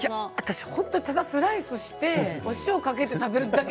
ただスライスしてお塩をかけて食べるだけ。